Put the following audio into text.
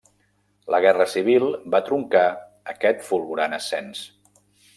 La Guerra Civil va truncar aquest fulgurant ascens.